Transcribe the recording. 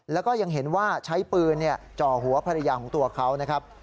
แล้วก็ยังเห็นว่าใช้ปืนจ่อหัวภรรยาของตัวเขานะครับ